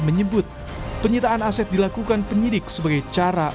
menyebut penyitaan aset dilakukan penyidik sebagai cara